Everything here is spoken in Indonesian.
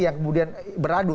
yang kemudian beradu